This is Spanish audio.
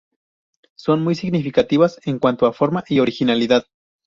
Son muy significativas en cuanto a forma y originalidad.